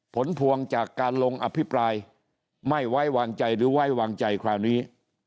ผลพวงจากการลงอภิปรายไม่ไว้วางใจหรือไว้วางใจคราวนี้